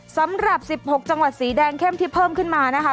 สำหรับ๑๖จังหวัดสีแดงเข้มที่เพิ่มขึ้นมานะคะ